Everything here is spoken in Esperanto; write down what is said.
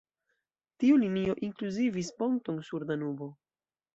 Tiu linio inkluzivis ponton sur Danubo.